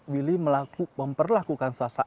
willy memperlakukan sasa